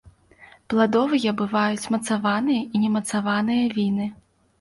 Пладовыя бываюць мацаваныя і немацаваныя віны.